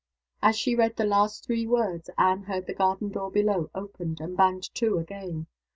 As she read the last three words, Anne heard the garden door below opened and banged to again.